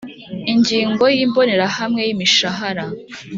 Ingingo ya imbonerahamwe y imishahara